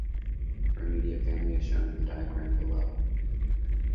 Her immediate family is shown in the diagram below.